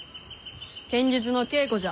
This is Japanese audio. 剣術の稽古じゃ。